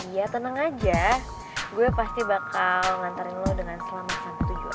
ya tenang aja gue pasti bakal nganterin lo dengan selama sampai tujuan